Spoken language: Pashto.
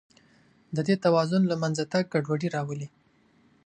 د دې توازن له منځه تګ ګډوډي راولي.